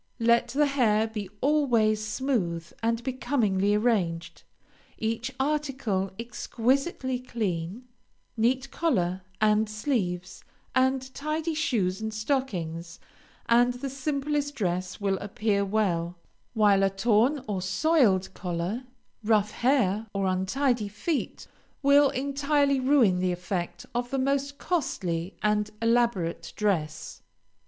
Let the hair be always smooth and becomingly arranged, each article exquisitely clean, neat collar and sleeves, and tidy shoes and stockings, and the simplest dress will appear well, while a torn or soiled collar, rough hair, or untidy feet will entirely ruin the effect of the most costly and elaborate dress.